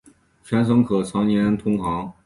全程可常年通航。